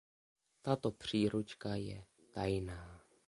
Tato příručka je „tajná“.